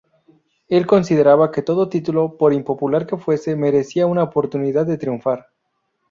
El consideraba que todo título, por impopular que fuese, merecía una oportunidad de triunfar.